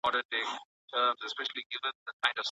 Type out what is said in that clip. قرضونه بايد د ناوړه دودونو لپاره ونشي.